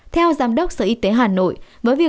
theo giám đốc sở y tế hà nội